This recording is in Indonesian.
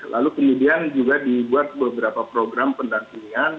lalu kemudian juga dibuat beberapa program pendampingan